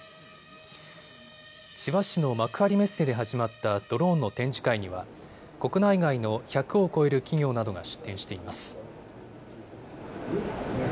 千葉市の幕張メッセで始まったドローンの展示会には国内外の１００を超える企業などが出展しています。